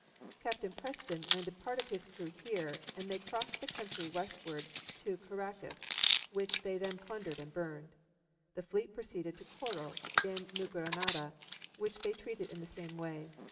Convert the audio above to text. Captain Preston landed part of his crew here, and they crossed the country westward to Caracas, which they plundered and burned. The fleet proceeded to Coro, in New Granada, which they treated in the same way.